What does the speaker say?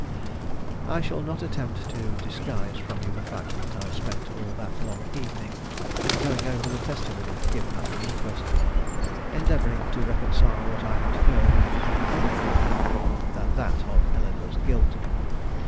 I shall not attempt to disguise from you the fact that I spent all that long evening in going over the testimony given at the inquest, endeavoring to reconcile what I had heard with any other theory than that of Eleanore's guilt.